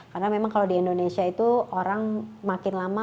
karena memang kalau di indonesia itu orang makin lama